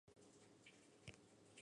Útiles a los pobladores.